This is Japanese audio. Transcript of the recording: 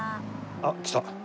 あっ！来た。